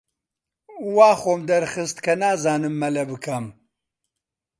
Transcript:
وا خۆم دەرخست کە نازانم مەلە بکەم.